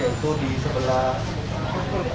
yaitu di sebelah